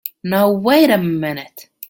Now wait a minute!